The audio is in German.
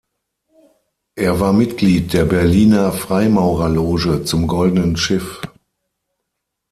Er war Mitglied der Berliner Freimaurerloge "Zum goldenen Schiff".